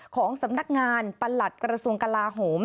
ของสำนักงานประหลัดกระทรวงกลาโหม